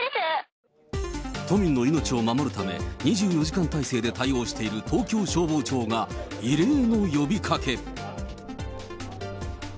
都民の命を守るため、２４時間態勢で対応している東京消防庁が、異例の呼びかけ。